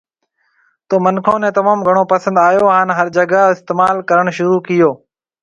تو منکون ني تموم گھڻو پسند آيو ھان ھر جگا استعمال ڪرڻ شروع ڪيئو